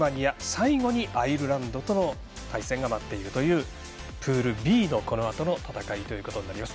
最後にアイルランドとの対戦が待っているというプールＢのこのあとの戦いとなります。